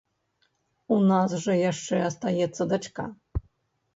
У нас жа яшчэ астаецца дачка?